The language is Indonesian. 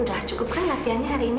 udah cukup kan latihannya hari ini